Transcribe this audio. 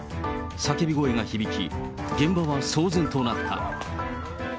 叫び声が響き、現場は騒然となった。